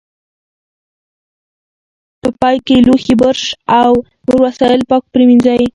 په پای کې لوښي، برش او نور وسایل پاک پرېمنځئ.